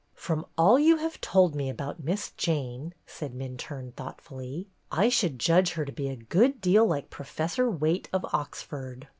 "From all you have told me about Miss Jane," said Minturne, thoughtfully, "I should judge her to be a good deal like Professor Wayte of Oxford.